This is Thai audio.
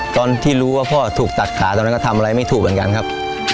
ตอนที่รู้ว่าพ่อถูกตัดขาทำอะไรไม่ถูกเช่นกันครับ